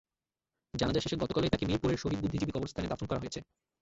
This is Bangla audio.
জানাজা শেষে গতকালই তাঁকে মিরপুরের শহীদ বুদ্ধিজীবী কবরস্থানে দাফন করা হয়েছে।